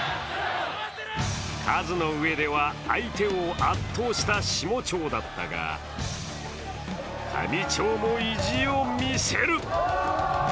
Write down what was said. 数の上では相手を圧倒した下町だったが、上町も意地を見せる。